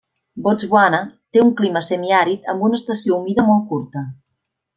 Botswana té un clima semiàrid amb una estació humida molt curta.